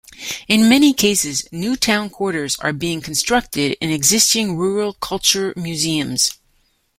In many cases new town quarters are being constructed in existing rural culture museums.